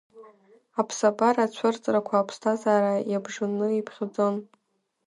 Аԥсабара ацәырҵрақәа аԥсҭазаара иабжаны иԥхьаӡон…